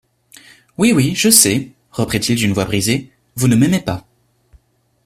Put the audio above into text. Oui, oui, je sais, reprit-il d'une voix brisée, vous ne m'aimez pas.